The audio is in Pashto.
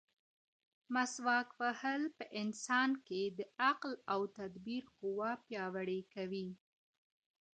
مسواک وهل په انسان کې د عقل او تدبیر قوه پیاوړې کوي.